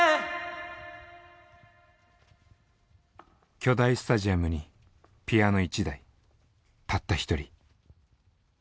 巨大スタジアムにピアノ１台たった１人。